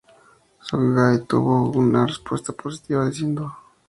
So So Gay tuvo una respuesta positiva, diciendo:.